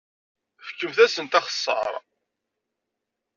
Fkemt-asent axeṣṣar.